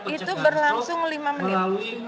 itu berlangsung lima menit